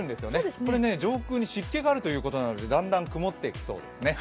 これ、上空に湿気があるということなのでだんだん曇っていきそうですね。